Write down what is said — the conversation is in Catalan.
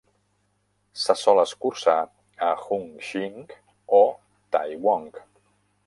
Se sol escurçar a Hung Shing o Tai Wong.